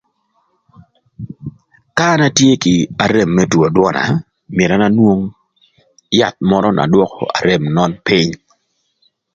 Ka an atye kï arem më two dwöna, myero an anwong yath mörö na dwökö arem nön pïny.